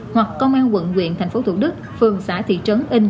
hoặc công an quận nguyện tp thủ đức phường xã thị trấn